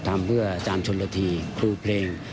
ทำเพื่ออาจารย์ชนละทีครูเพลง